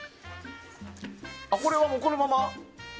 これはもうこのまま？